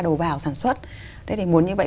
đầu vào sản xuất thế thì muốn như vậy